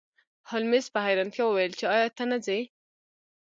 هولمز په حیرانتیا وویل چې ایا ته نه ځې